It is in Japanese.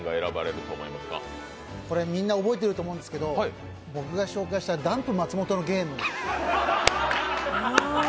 みんな覚えてると思うんですけど、僕が紹介したダンプ松本のゲーム。